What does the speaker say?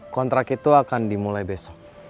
kontrak itu akan dimulai besok